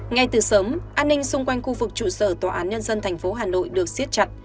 ngay từ sớm an ninh xung quanh khu vực trụ sở tòa án nhân dân tp hà nội được xiết chặt